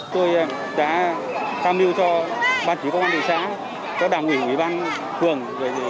tôi đã cam lưu cho ban phí công an thị xã các đảng ủy quỹ ban thường